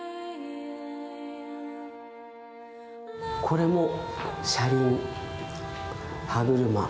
これも車輪歯車。